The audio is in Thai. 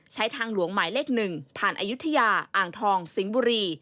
ทางหลวงหมายเลข๑ผ่านอายุทยาอ่างทองสิงห์บุรี